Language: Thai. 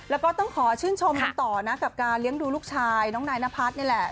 แล้วก็ต้องขอชื่นชมกันต่อนะกับการเลี้ยงดูลูกชายน้องนายนพัฒน์นี่แหละ